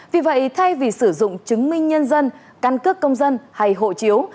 vì vậy thay vì sử dụng chứng minh nhân dân căn cước công dân hay hộ chiếu